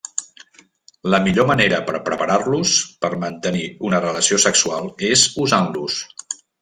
La millor manera per preparar-los per mantenir una relació sexual és usant-los.